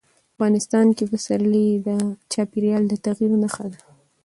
افغانستان کې پسرلی د چاپېریال د تغیر نښه ده.